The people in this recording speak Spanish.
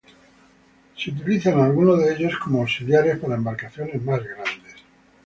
Algunos de ellos son utilizados como auxiliares para embarcaciones más grandes.